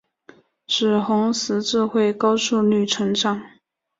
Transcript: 使红十字会高速率成长。